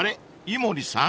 井森さん］